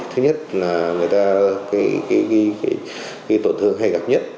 thứ nhất là người ta tổn thương hay gặp nhất